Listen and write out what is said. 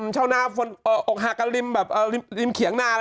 ชาวนาออกหักกับริมเขียงนา